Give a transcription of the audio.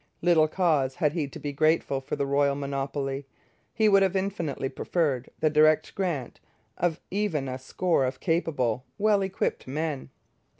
Little cause had he to be grateful for the royal monopoly. He would have infinitely preferred the direct grant of even a score of capable, well equipped men.